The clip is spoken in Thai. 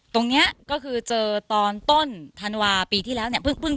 ตรงนี้ก็คือเจอตอนต้นธันวาปีที่แล้วเนี่ยเพิ่ง